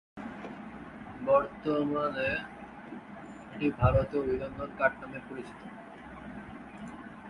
বর্তমানে এটি ভারতে "অভিনন্দন কাট" নামে পরিচিত।